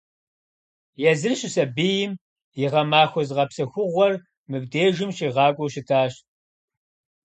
Езыр щысабийм и гъэмахуэ зыгъэпсэхугъуэр мыбдежым щигъакӀуэу щытащ.